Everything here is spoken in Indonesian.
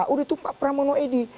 udah tumpah pramono edi